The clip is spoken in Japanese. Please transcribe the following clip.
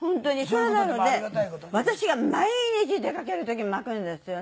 それなので私が毎日出かける時巻くんですよね。